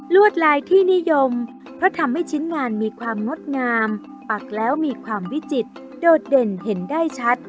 วดลายที่นิยมเพราะทำให้ชิ้นงานมีความงดงามปักแล้วมีความวิจิตโดดเด่นเห็นได้ชัด